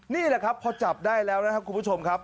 นี่แหละครับพอจับได้แล้วนะครับคุณผู้ชมครับ